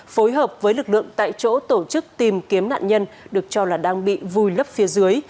phối hợp với lực lượng tại chỗ tổ chức tìm kiếm nạn nhân được cho là đang bị vùi lấp phía dưới